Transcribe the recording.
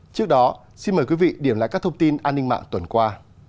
trước đó xin mời quý vị điểm lại các thông tin an ninh mạng tuần qua